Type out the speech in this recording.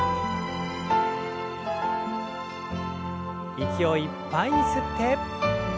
息をいっぱいに吸って。